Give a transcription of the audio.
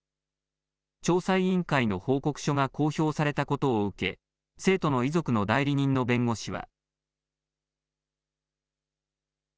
調査委員会の報告書が公表されたことを受け、生徒の遺族の代理人の弁護士は。